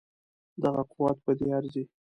دغه قوت په دې ارزي.